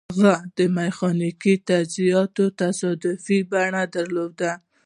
هغه میخانیکي تجهیزات تصادفي بڼه درلوده